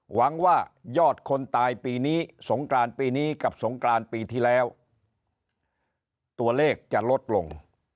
หวังว่ายอดคนตายปีนี้สงกรานปีนี้กับสงกรานปีที่แล้วตัวเลขจะลดลง